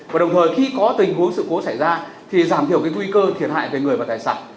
và đồng thời khi có tình huống sự cố xảy ra thì giảm thiểu cái nguy cơ thiệt hại về người và tài sản